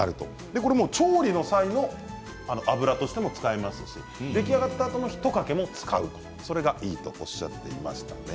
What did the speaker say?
これも調理の際の油としても使えますし出来上がったあとの一かけだけに使うのもいいとおっしゃっていました。